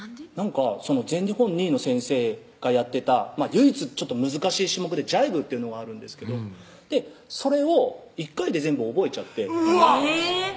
その全日本２位の先生がやってた唯一難しい種目でジャイブというのがあるんですけどそれを１回で全部覚えちゃってうわっ！